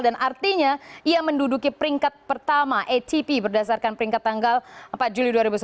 dan artinya ia menduduki peringkat pertama atp berdasarkan peringkat tanggal empat juli dua ribu sebelas